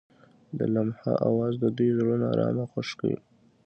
د لمحه اواز د دوی زړونه ارامه او خوښ کړل.